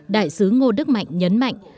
đại sứ ngô đức mạnh nhấn mạnh